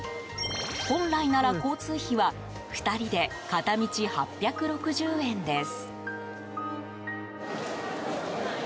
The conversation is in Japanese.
本来なら交通費は２人で片道８６０円です。